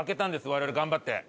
我々頑張って。